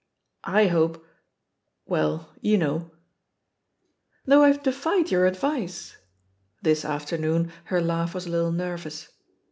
I hope — ^well, you know I" "Though IVe defied your advice 1" This aft ernoon her laugh was a little nervous.